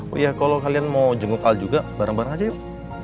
oh iya kalau kalian mau jenguk al juga bareng bareng aja yuk